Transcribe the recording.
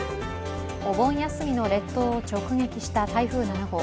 お盆休みの列島を直撃した台風７号。